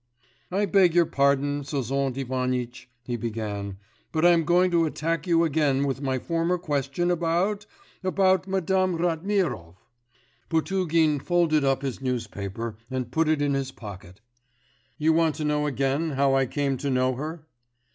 'I beg your pardon, Sozont Ivanitch,' he began, 'but I'm going to attack you again with my former question about ... about Madame Ratmirov.' Potugin folded up his newspaper and put it in his pocket. 'You want to know again how I came to know her?